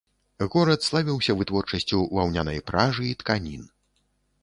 Горад славіўся вытворчасцю ваўнянай пражы і тканін.